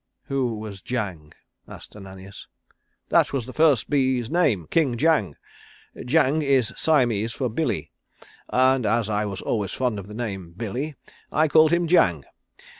"Who was Jang?" asked Ananias. "That was the first bee's name. King Jang. Jang is Siamese for Billie, and as I was always fond of the name, Billie, I called him Jang.